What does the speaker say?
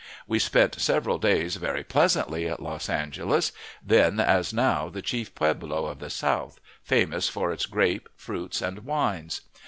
We spent several days very pleasantly at Los Angeles, then, as now, the chief pueblo of the south, famous for its grapes, fruits, and wines.